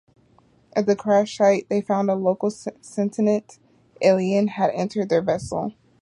At the crash site they find a local sentient alien has entered their vessel.